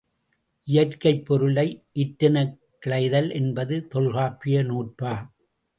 இயற்கைப் பொருளை இற்றெனக் கிளத்தல் என்பது தொல்காப்பிய நூற்பா.